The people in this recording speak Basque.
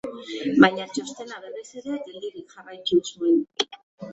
Baina txostena berriz ere geldirik jarraitu zuen.